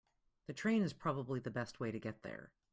The train is probably the best way to get there.